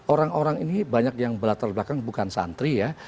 orang orang ini banyak yang berlatar belakang bukan santri ya